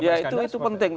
ya itu penting